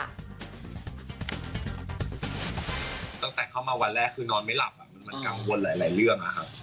ตั้งแต่เข้ามาวันแรกคือนอนไม่หลับมันกังวลหลายเรื่องนะครับ